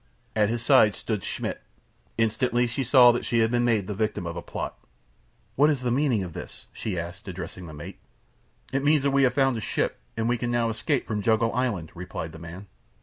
At his side stood Schmidt. Instantly she saw that she had been made the victim of a plot. "What is the meaning of this?" she asked, addressing the mate. "It means that we have found a ship and that we can now escape from Jungle Island," replied the man.